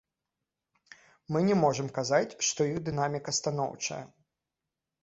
Мы не можам казаць, што іх дынаміка станоўчая.